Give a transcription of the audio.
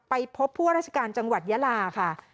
ไปพบผู้ว่าราชการจังหวัดยาลาค่ะ